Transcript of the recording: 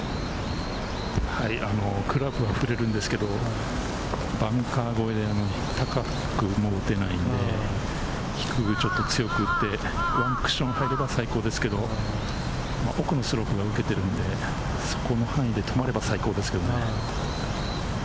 クラブは振れるんですけれど、バンカー越え、高くも打てないので、低くちょっと強く打ってワンクッションかければ最高ですけれど、奥のスロープが受けてるので、そこの範囲で止まれば最高ですね。